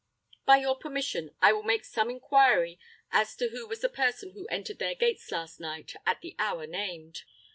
By your permission, I will make some inquiry as to who was the person who entered their gates last night at the hour named."